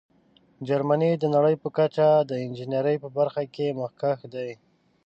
جرمني د نړۍ په کچه د انجینیرۍ په برخه کې مخکښ دی.